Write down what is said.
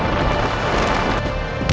aku mau ke kanjeng itu